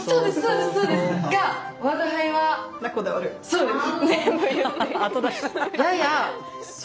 そうです。